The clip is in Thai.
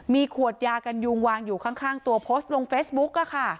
มีขวดยากันยุงวางอยู่ข้างตัวโพสต์ลงเฟซบุ๊ก